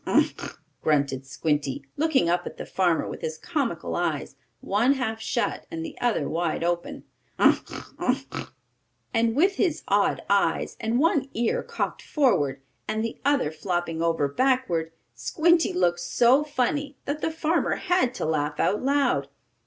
"Ugh! Ugh!" grunted Squinty, looking up at the farmer with his comical eyes, one half shut and the other wide open. "Ugh! Ugh!" And with his odd eyes, and one ear cocked forward, and the other flopping over backward, Squinty looked so funny that the farmer had to laugh out loud.